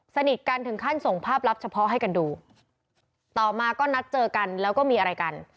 สนิทกันถึงขั้นส่งภาพลับเฉพาะให้กันดูต่อมาก็นัดเจอกันแล้วก็มีอะไรกัน